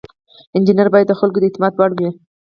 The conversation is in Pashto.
انجینر باید د خلکو د اعتماد وړ وي.